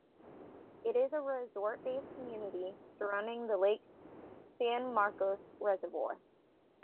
It is a resort-based community surrounding the Lake San Marcos reservoir.